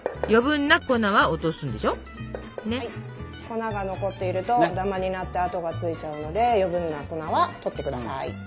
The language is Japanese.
粉が残っているとダマになって跡がついちゃうので余計な粉はとってください。